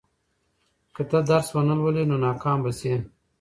که ته درس ونه لولې، نو ناکام به شې.